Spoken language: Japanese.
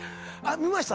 見ました？